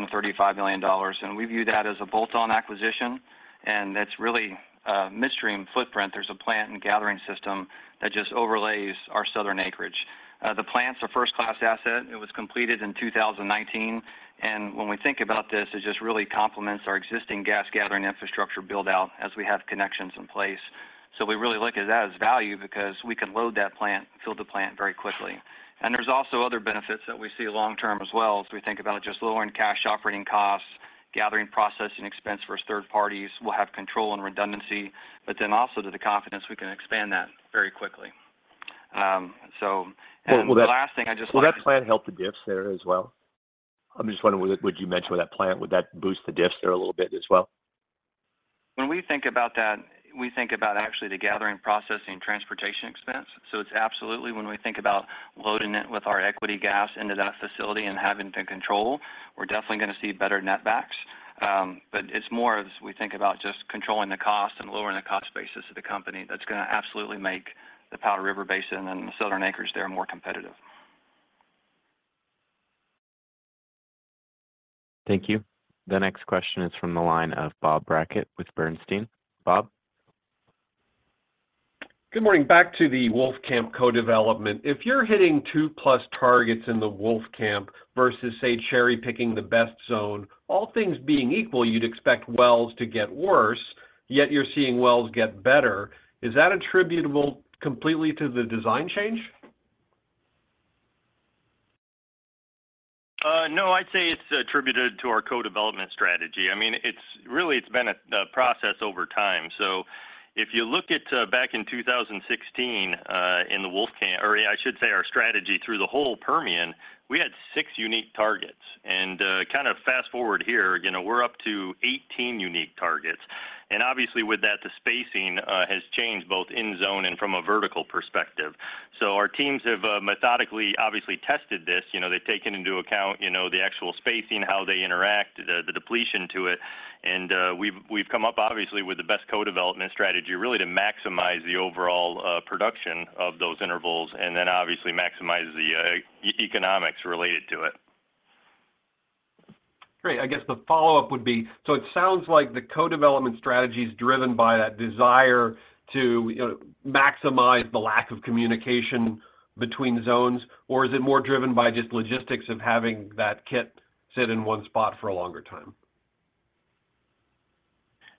million, we view that as a bolt-on acquisition, it's really a midstream footprint. There's a plant and gathering system that just overlays our southern acreage. The plant's a first-class asset. It was completed in 2019. When we think about this, it just really complements our existing gas gathering infrastructure build-out as we have connections in place. We really look at that as value because we can load that plant, fill the plant very quickly. There's also other benefits that we see long term as well as we think about just lowering cash operating costs, gathering, processing expense versus third parties. We'll have control and redundancy, but then also to the confidence we can expand that very quickly. Well. The last thing I just wanted- Will that plant help the diffs there as well? I'm just wondering with what you mentioned with that plant, would that boost the diffs there a little bit as well? When we think about that, we think about actually the gathering, processing, transportation expense. It's absolutely when we think about loading it with our equity gas into that facility and having to control, we're definitely gonna see better net backs. It's more as we think about just controlling the cost and lowering the cost basis of the company that's gonna absolutely make the Powder River Basin and the southern acreage there more competitive. Thank you. The next question is from the line of Bob Brackett with Bernstein. Bob? Good morning. Back to the Wolfcamp co-development. If you're hitting 2+ targets in the Wolfcamp versus, say, cherry-picking the best zone, all things being equal, you'd expect wells to get worse, yet you're seeing wells get better. Is that attributable completely to the design change? No, I'd say it's attributed to our co-development strategy. I mean, it's really been a process over time. If you look at back in 2016 in the Wolfcamp or I should say our strategy through the whole Permian, we had six unique targets. Kind of fast-forward here, you know, we're up to 18 unique targets. Obviously with that, the spacing has changed both in zone and from a vertical perspective. Our teams have methodically obviously tested this. You know, they've taken into account, you know, the actual spacing, how they interact, the depletion to it. We've come up obviously with the best co-development strategy really to maximize the overall production of those intervals and then obviously maximize the economics related to it. Great. I guess the follow-up would be, it sounds like the co-development strategy is driven by that desire to, you know, maximize the lack of communication between zones, or is it more driven by just logistics of having that kit sit in one spot for a longer time?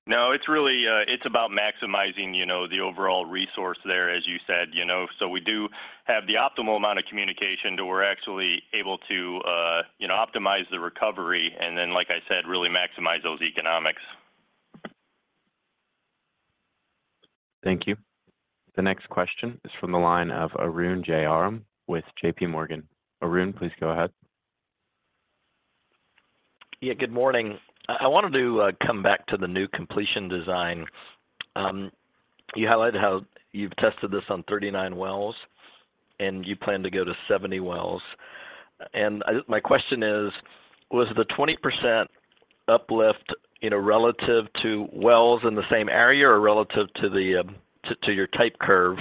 It's really, it's about maximizing, you know, the overall resource there, as you said, you know. We do have the optimal amount of communication to we're actually able to, you know, optimize the recovery and then, like I said, really maximize those economics. Thank you. The next question is from the line of Arun Jayaram with JPMorgan. Arun, please go ahead. Yeah, good morning. I wanted to come back to the new completion design. You highlighted how you've tested this on 39 wells, and you plan to go to 70 wells. My question is, was the 20% uplift, you know, relative to wells in the same area or relative to the to your type curve?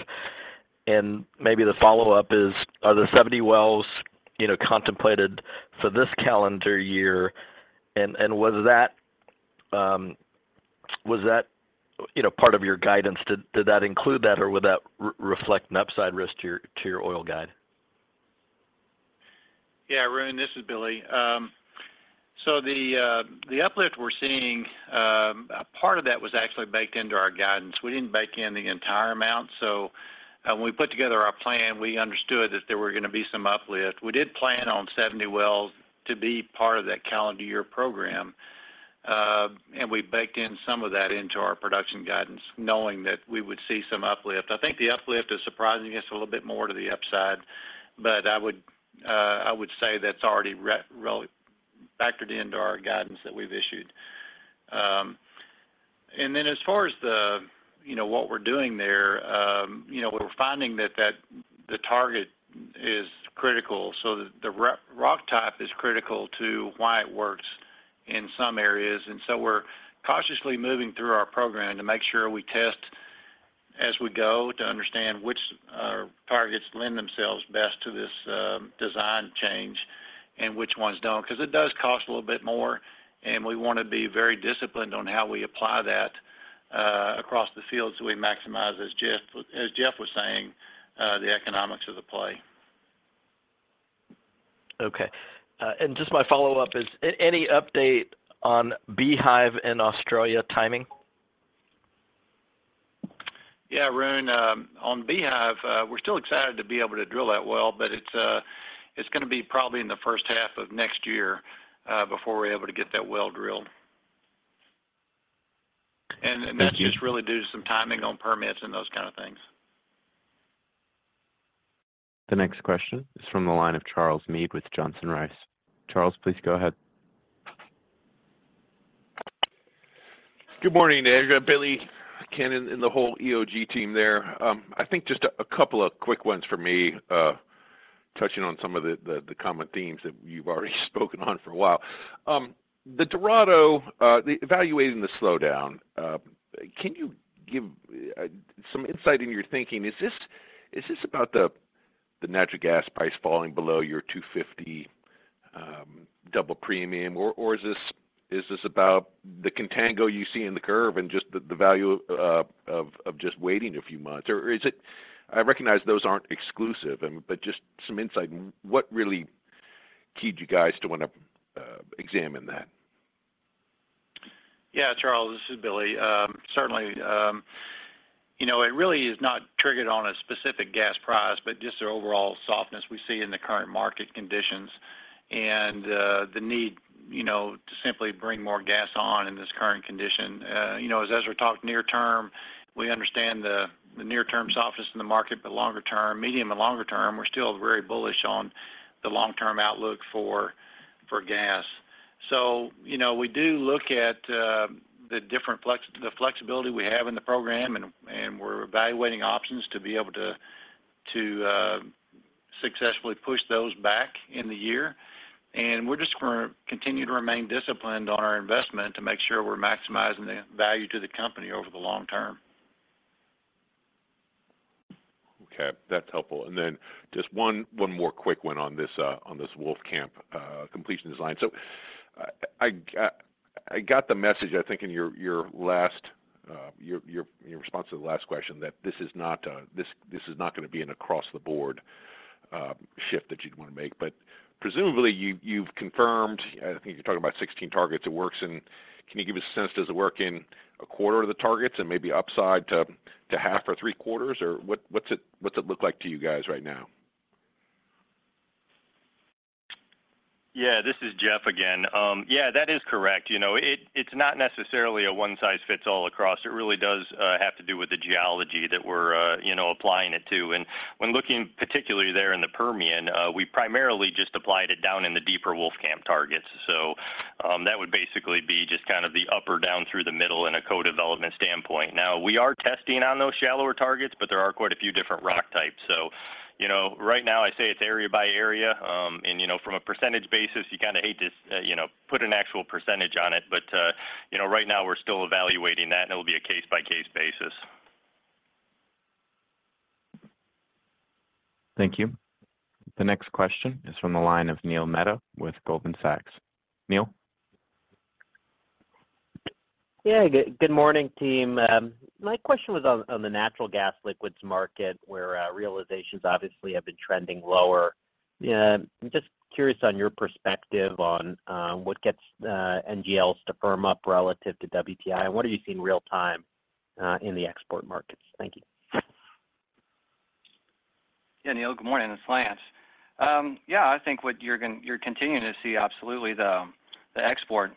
Maybe the follow-up is, are the 70 wells, you know, contemplated for this calendar year, and was that, was that, you know, part of your guidance? Did that include that, or would that reflect an upside risk to your oil guide? Yeah, Arun, this is Billy. The uplift we're seeing, a part of that was actually baked into our guidance. We didn't bake in the entire amount. When we put together our plan, we understood that there were gonna be some uplift. We did plan on 70 wells to be part of that calendar year program, and we baked in some of that into our production guidance knowing that we would see some uplift. I think the uplift is surprising us a little bit more to the upside, but I would say that's already really factored into our guidance that we've issued. As far as the, you know, what we're doing there, you know, we're finding that the target is critical, so the rock type is critical to why it works in some areas. We're cautiously moving through our program to make sure we test as we go to understand which targets lend themselves best to this design change and which ones don't. 'Cause it does cost a little bit more, and we wanna be very disciplined on how we apply that across the fields so we maximize, as Jeff was saying, the economics of the play. Okay. Just my follow-up is, any update on Beehive in Australia timing? Yeah, Arun, on Beehive, we're still excited to be able to drill that well, but it's gonna be probably in the first half of next year, before we're able to get that well drilled. Thank you. That's just really due to some timing on permits and those kind of things. The next question is from the line of Charles Meade with Johnson Rice. Charles, please go ahead. Good morning, Ezra, Billy Helms, and the whole EOG team there. I think just a couple of quick ones for me, touching on some of the common themes that you've already spoken on for a while. The Dorado, evaluating the slowdown, can you give some insight into your thinking? Is this about the natural gas price falling below your $2.50 double premium? Or is this about the contango you see in the curve and just the value of just waiting a few months? Or is it? I recognize those aren't exclusive and, but just some insight on what really keyed you guys to wanna examine that. Yeah, Charles, this is Billy. certainly, you know, it really is not triggered on a specific gas price, but just the overall softness we see in the current market conditions and the need, you know, to simply bring more gas on in this current condition. you know, as Ezra talked near term, we understand the near-term softness in the market, but longer term, medium and longer term, we're still very bullish on the long-term outlook for gas. You know, we do look at the different flexibility we have in the program and we're evaluating options to be able to successfully push those back in the year. We're just gonna continue to remain disciplined on our investment to make sure we're maximizing the value to the company over the long term. Okay, that's helpful. Then just one more quick one on this Wolfcamp completion design. I got the message, I think in your last response to the last question that this is not gonna be an across-the-board shift that you'd wanna make. Presumably, you've confirmed, I think you're talking about 16 targets it works in. Can you give us a sense, does it work in a quarter of the targets and maybe upside to half or three quarters? What's it look like to you guys right now? Yeah, this is Jeff again. Yeah, that is correct. You know, it's not necessarily a one-size-fits-all across. It really does have to do with the geology that we're, you know, applying it to. When looking particularly there in the Permian, we primarily just applied it down in the deeper Wolfcamp targets. That would basically be just kind of the up or down through the middle in a co-development standpoint. Now, we are testing on those shallower targets, but there are quite a few different rock types. You know, right now I say it's area by area. You know, from a percentage basis, you kinda hate to, you know, put an actual percentage on it. You know, right now we're still evaluating that, and it'll be a case-by-case basis. Thank you. The next question is from the line of Neil Mehta with Goldman Sachs. Neal? Good, good morning, team. My question was on the natural gas liquids market, where realizations obviously have been trending lower. I'm just curious on your perspective on what gets NGLs to firm up relative to WTI, and what are you seeing real time in the export markets? Thank you. Neal, good morning. This is Lance. I think what you're continuing to see absolutely the export,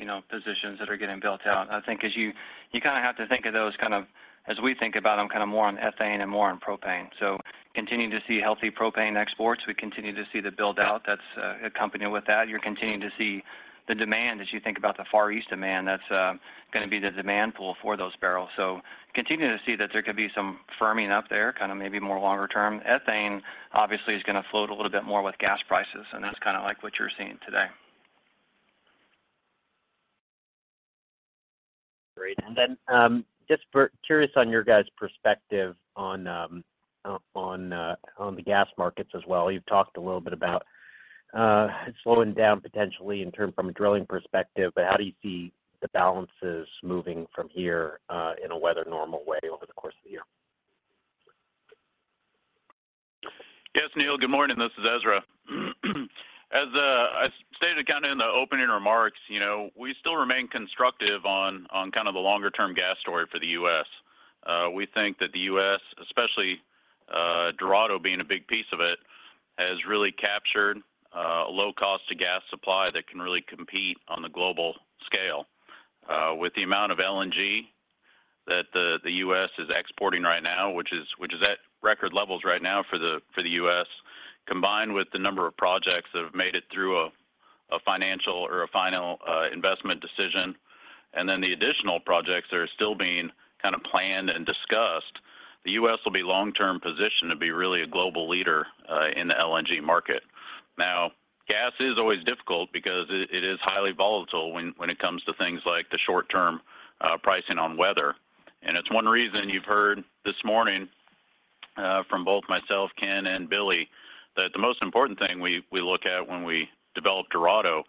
you know, positions that are getting built out. I think as you kinda have to think of those kind of, as we think about them, kind of more on ethane and more on propane. Continuing to see healthy propane exports. We continue to see the build-out that's accompanying with that. You're continuing to see the demand as you think about the Far East demand. That's gonna be the demand pool for those barrels. Continuing to see that there could be some firming up there, kind of maybe more longer term. Ethane obviously is gonna float a little bit more with gas prices, and that's kinda like what you're seeing today. Great. Then, just curious on your guys' perspective on the gas markets as well. You've talked a little bit about slowing down potentially in term from a drilling perspective, but how do you see the balances moving from here in a weather normal way over the course of the year? Yes, Neal, good morning. This is Ezra. As I stated kind of in the opening remarks, you know, we still remain constructive on kind of the longer-term gas story for the U.S. We think that the U.S., especially, Dorado being a big piece of it, has really captured a low cost to gas supply that can really compete on the global scale. With the amount of LNG that the U.S. is exporting right now, which is at record levels right now for the U.S., combined with the number of projects that have made it through a financial or a final investment decision, and then the additional projects that are still being kind of planned and discussed, the U.S. will be long-term positioned to be really a global leader in the LNG market. Gas is always difficult because it is highly volatile when it comes to things like the short-term pricing on weather. It's one reason you've heard this morning from both myself, Ken Boedeker, and Billy Helms that the most important thing we look at when we developed Dorado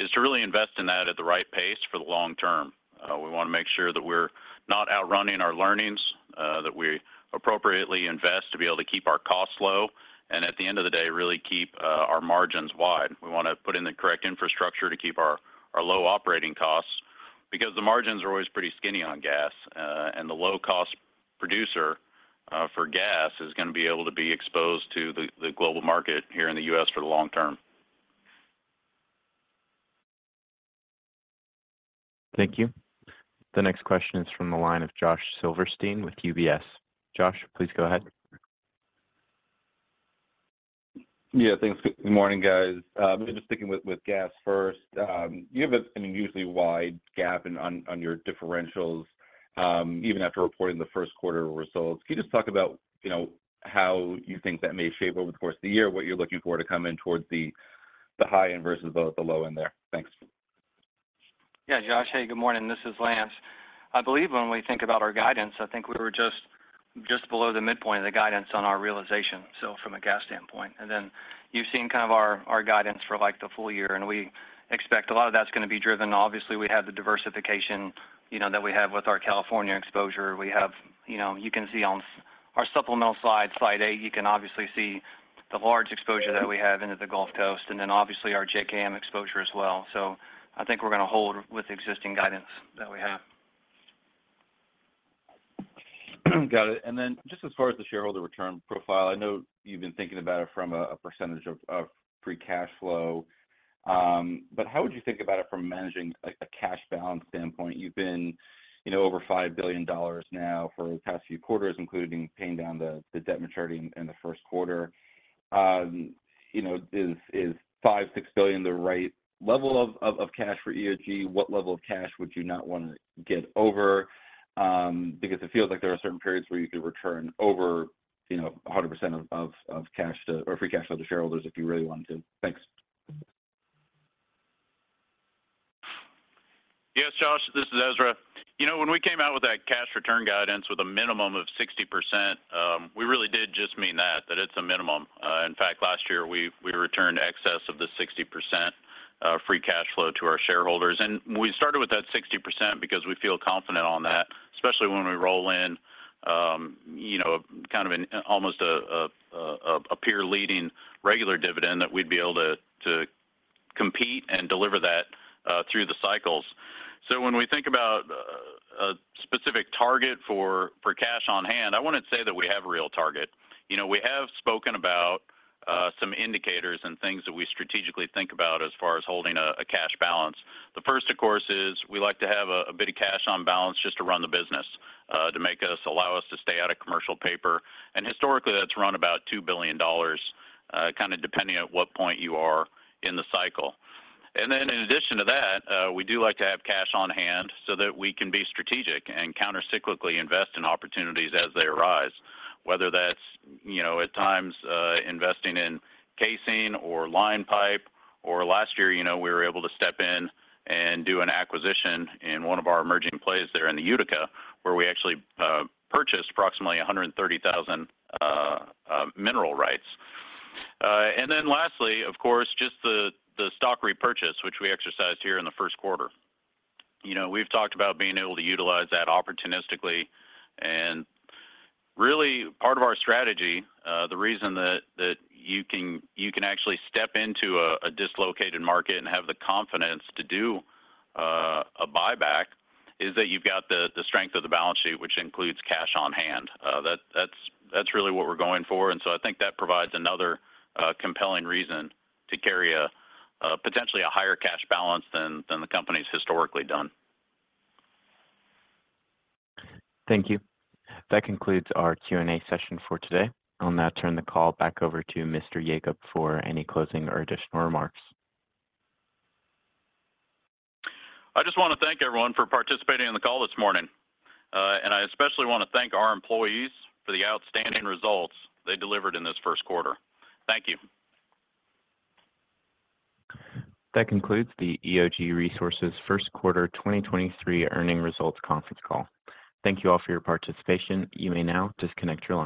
is to really invest in that at the right pace for the long term. We wanna make sure that we're not outrunning our learnings, that we appropriately invest to be able to keep our costs low and, at the end of the day, really keep our margins wide. We wanna put in the correct infrastructure to keep our low operating costs because the margins are always pretty skinny on gas. The low-cost producer for gas is gonna be able to be exposed to the global market here in the U.S. for the long term. Thank you. The next question is from the line of Josh Silverstein with UBS. Josh, please go ahead. Yeah. Thanks. Good morning, guys. Just sticking with gas first. You have a, I mean, usually wide gap on your differentials, even after reporting the first quarter results. Can you just talk about, you know, how you think that may shape over the course of the year, what you're looking for to come in towards the high end versus the low end there? Thanks. Yeah, Josh. Hey, good morning. This is Lance. I believe when we think about our guidance, we were just below the midpoint of the guidance on our realization from a gas standpoint. You've seen kind of our guidance for like the full year. We expect a lot of that's gonna be driven. Obviously, we have the diversification, you know, that we have with our Trinidad exposure. We have, you know, you can see on our supplemental slide 8, you can obviously see the large exposure that we have into the Gulf Coast. Obviously our JKM exposure as well. I think we're gonna hold with existing guidance that we have. Got it. Just as far as the shareholder return profile, I know you've been thinking about it from a percentage of free cash flow. But how would you think about it from managing a cash balance standpoint? You've been, you know, over $5 billion now for the past few quarters, including paying down the debt maturity in the first quarter. You know, is $5 billion, $6 billion the right level of cash for EOG? What level of cash would you not wanna get over? Because it feels like there are certain periods where you could return over, you know, 100% of free cash flow to shareholders if you really wanted to. Thanks. Yes, Josh, this is Ezra. You know, when we came out with that cash return guidance with a minimum of 60%, we really did just mean that it's a minimum. In fact, last year we returned excess of the 60% free cash flow to our shareholders. We started with that 60% because we feel confident on that, especially when we roll in, you know, kind of an almost a peer leading regular dividend that we'd be able to compete and deliver that through the cycles. When we think about a specific target for cash on hand, I wouldn't say that we have a real target. You know, we have spoken about some indicators and things that we strategically think about as far as holding a cash balance. The first, of course, is we like to have a bit of cash on balance just to run the business, to allow us to stay out of commercial paper. Historically, that's run about $2 billion, kind of depending on what point you are in the cycle. Then in addition to that, we do like to have cash on hand so that we can be strategic and counter-cyclically invest in opportunities as they arise, whether that's, you know, at times, investing in casing or line pipe, or last year, you know, we were able to step in and do an acquisition in one of our emerging plays there in the Utica, where we actually purchased approximately 130,000 mineral rights. Then lastly, of course, just the stock repurchase, which we exercised here in the first quarter. You know, we've talked about being able to utilize that opportunistically and really part of our strategy, the reason that you can actually step into a dislocated market and have the confidence to do a buyback is that you've got the strength of the balance sheet, which includes cash on hand. That's really what we're going for, and I think that provides another compelling reason to carry a potentially a higher cash balance than the company's historically done. Thank you. That concludes our Q&A session for today. I'll now turn the call back over to Mr. Yacob for any closing or additional remarks. I just wanna thank everyone for participating on the call this morning. I especially wanna thank our employees for the outstanding results they delivered in this first quarter. Thank you. That concludes the EOG Resources first quarter 2023 earnings results conference call. Thank you all for your participation. You may now disconnect your line.